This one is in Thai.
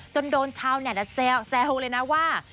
จนโดนชาวแหน่ดนะแซ่วแซ่วเลยนะว่า